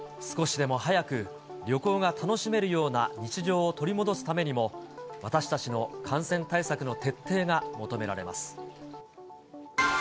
少しでも早く旅行が楽しめるような日常を取り戻すためにも、私たちの感染対策の徹底が求められます。